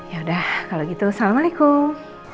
yaudah kalo gitu assalamualaikum